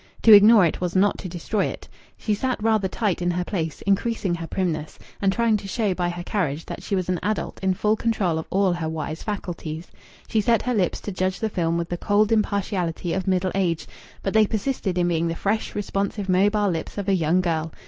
To ignore it was not to destroy it. She sat rather tight in her place, increasing her primness, and trying to show by her carriage that she was an adult in full control of all her wise faculties. She set her lips to judge the film with the cold impartiality of middle age, but they persisted in being the fresh, responsive, mobile lips of a young girl.